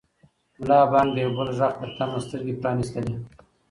ملا بانګ د یو بل غږ په تمه سترګې پرانیستلې.